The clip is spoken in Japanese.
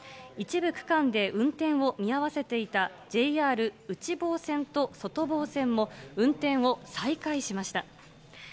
一部区間で運転を見合わせていたＪＲ内房線と外房線も、運転を再開しました。